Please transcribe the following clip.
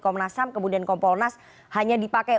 komnas ham kemudian kompolnas hanya dipakai